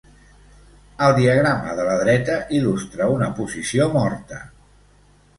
El diagrama de la dreta il·lustra una posició morta.